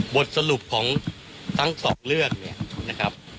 บทสรุปของทั้งสองเรื่องเนี่ยนะครับ